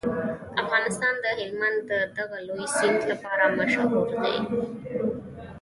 افغانستان د هلمند د دغه لوی سیند لپاره مشهور دی.